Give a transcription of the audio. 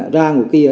ra ngồi kia